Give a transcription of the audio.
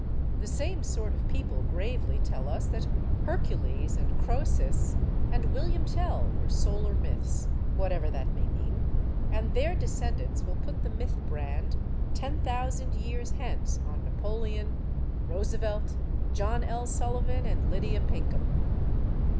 The same sort of people gravely tell us that Hercules and Croesus and William Tell were "solar myths" whatever that may mean and their descendants will put the myth brand, ten thousand years hence, on Napoleon, Roosevelt, John L. Sullivan, and Lydia Pinkham.